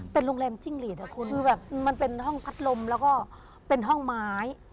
เป็นโรงแรมจิ้งหลีดอ่ะคุณคือแบบมันเป็นห้องพัดลมแล้วก็เป็นห้องไม้